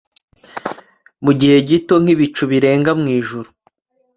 Mugihe gito nkibicu birenga mwijuru